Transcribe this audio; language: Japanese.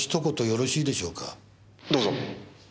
どうぞ。